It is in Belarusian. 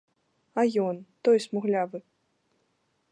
А ён, той смуглявы.